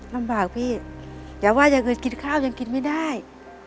ลำบากพี่อย่าว่าอย่างอื่นกินข้าวยังกินไม่ได้